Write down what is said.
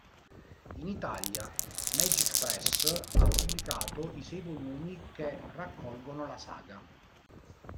In Italia, Magic Press ha pubblicato i sei volumi che raccolgono la saga.